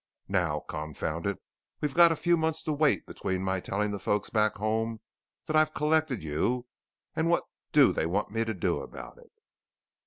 Now, confound it, we've got a few months to wait between my telling the folks back home that I've collected you and what do they want me to do about it.